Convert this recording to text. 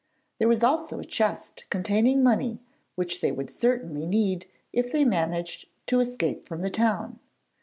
There was also a chest containing money which they would certainly need, if they managed to escape from the town.